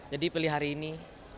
jadi pilih hari ini